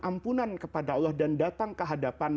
ampunan kepada allah dan datang ke hadapan